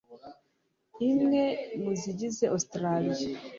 imwe mu zigize Australia